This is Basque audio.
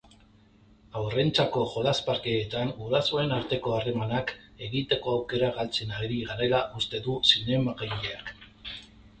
Haurrentzako jolas-parkeetan gurasoen arteko harremanak egiteko aukera galtzen ari garela uste du zinemagileak.